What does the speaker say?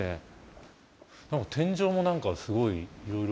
何か天井も何かすごいいろいろ。